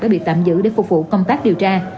đã bị tạm giữ để phục vụ công tác điều tra